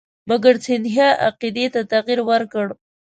مګر سیندهیا عقیدې ته تغیر ورکړ.